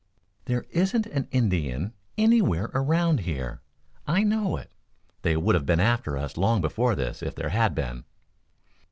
"There isn't an Indian anywhere around here. I know it. They would have been after us long before this, if there had been."